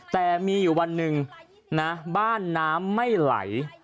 แต่มีอยู่วันหนึ่งนะบ้านน้ำไม่ไหล